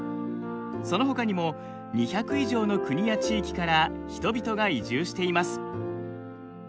そのほかにも２００以上の国や地域から人々が移住しています。